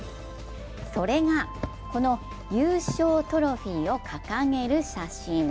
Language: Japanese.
それがこの優勝トロフィーを掲げる写真。